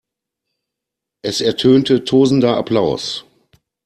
Es ertönte tosender Applaus.